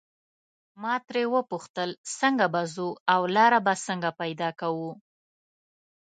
ما ترې وپوښتل څنګه به ځو او لاره به څنګه پیدا کوو.